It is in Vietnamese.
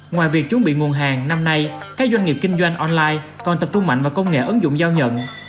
ngoài việc chuẩn bị nguồn hàng năm nay các doanh nghiệp kinh doanh online còn tập trung mạnh vào công nghệ ứng dụng giao nhận